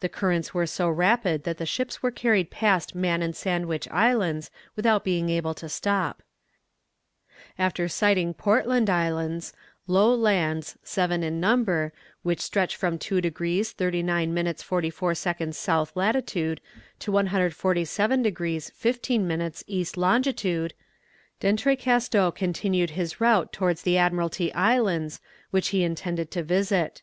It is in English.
The currents were so rapid that the ships were carried past Man and Sandwich Islands, without being able to stop. After sighting Portland Islands, low lands, seven in number, which stretch from 2 degrees 39 minutes 44 seconds S. lat. to 147 degrees 15 minutes E. long., D'Entrecasteaux continued his route towards the Admiralty Islands, which he intended to visit.